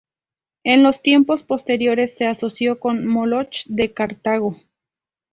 En los tiempos posteriores, se asoció con Moloch de Cartago.